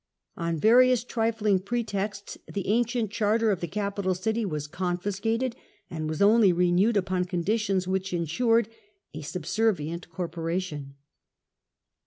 On various trifling pretexts the ancient charter of the capital city was confiscated, and was only renewed upon conditions which ensured a subservient corporation.